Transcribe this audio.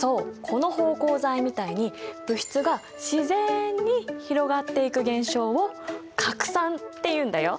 この芳香剤みたいに物質が自然に広がっていく現象を「拡散」っていうんだよ。